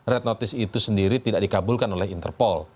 red notice itu sendiri tidak dikabulkan oleh interpol